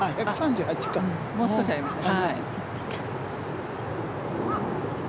もう少しありましたね。